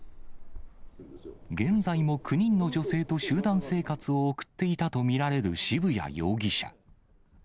現在も９人の女性と集団生活を送っていたと見られる渋谷容疑者。